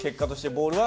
ボールは。